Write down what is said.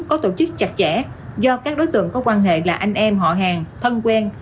có tổ chức chặt chẽ do các đối tượng có quan hệ là anh em họ hàng thân quen